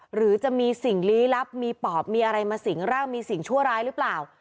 หรือจะมีสิ่งลี้ลับมีปอบมีอะไรมาสิงร่างมีสิ่งชั่วร้ายหรือเปล่า